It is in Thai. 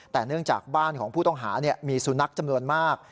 แต่เนื่องจากบ้านของผู้ต้องหามีสุนัขจำนวนมาก